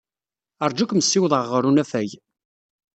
Ṛju ad kem-ssiwḍeɣ ɣer unafag.